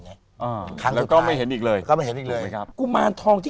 อ่าคันแล้วก็ไม่เห็นอีกเลยก็ไม่เห็นอีกเลยนะครับกุมารทองที่